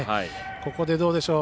ここで、どうでしょう。